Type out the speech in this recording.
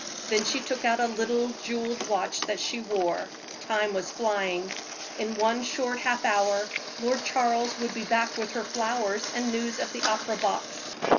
Then she took out a little jeweled watch that she wore. Time was flying. In one short half hour Lord Charles would be back with her flowers and news of the opera box.